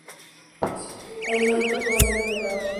Además fue caballero de la Orden de Santiago.